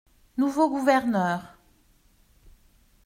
- Nouveau gouverneur.